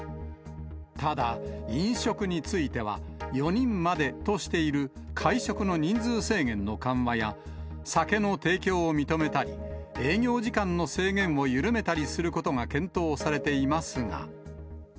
ただ、飲食については、４人までとしている会食の人数制限の緩和や、酒の提供を認めたり、営業時間の制限を緩めたりすることが検討されていますが。